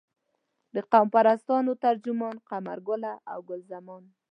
د قوم پرستانو ترجمان قمرګله او ګل زمان.